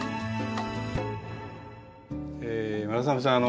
村雨さん